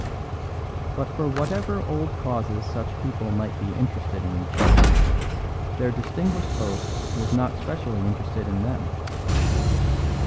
But for whatever old causes such people might be interested in each other, their distinguished host was not specially interested in them.